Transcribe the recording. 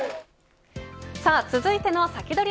続いてのサキドリ！